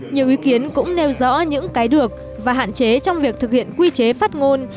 nhiều ý kiến cũng nêu rõ những cái được và hạn chế trong việc thực hiện quy chế phát ngôn